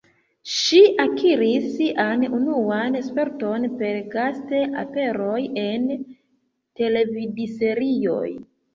Ŝi akiris sian unuan sperton per gast-aperoj en televidserioj.